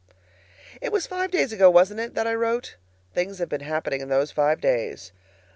It was five days ago, wasn't it, that I wrote? Things have been happening in those five days.